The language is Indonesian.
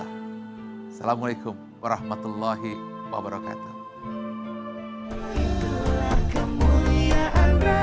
assalamu'alaikum warahmatullahi wabarakatuh